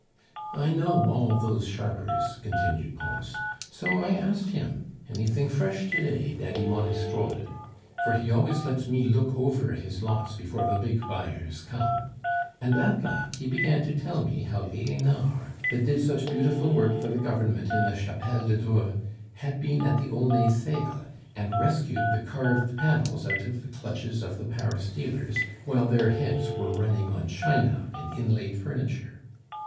"I know all those sharpers," continued Pons, "so I asked him, 'Anything fresh to day, Daddy Monistrol?' (for he always lets me look over his lots before the big buyers come) and at that he began to tell me how Lienard, that did such beautiful work for the Government in the Chapelle de Dreux, had been at the Aulnay sale and rescued the carved panels out of the clutches of the Paris dealers, while their heads were running on china and inlaid furniture.